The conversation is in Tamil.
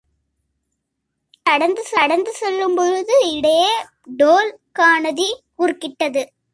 அவன் நடந்து செல்லும்பொழுது இடையே டோல்காநதி குறுக்கிட்டது.